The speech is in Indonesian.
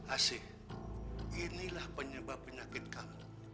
asih inilah penyebab penyakit kamu